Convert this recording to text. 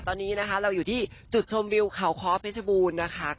ตอนนี้เราอยู่ที่จุดชมวิวข่าวค้อเพชรบูรณ์